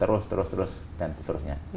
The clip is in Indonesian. terus terus dan seterusnya